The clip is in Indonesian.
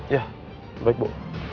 ya baik bu